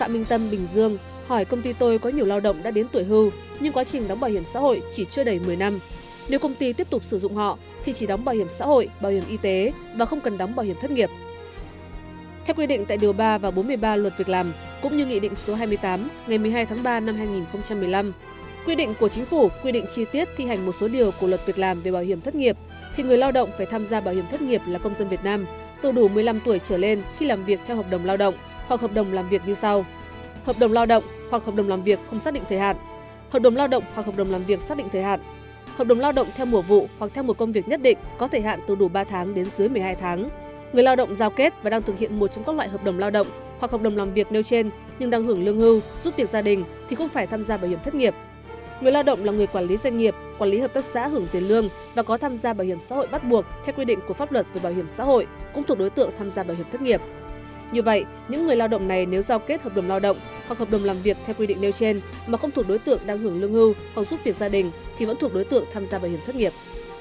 mà không thuộc đối tượng đang hưởng lương hưu hoặc giúp việc gia đình thì vẫn thuộc đối tượng tham gia bảo hiểm thất nghiệp